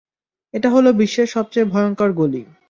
এটা হলো বিশ্বের সবচেয়ে ভয়ংকর গলি।